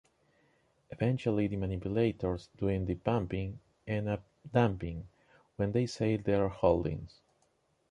Eventually the manipulators doing the "pumping" end up "dumping," when they sell their holdings.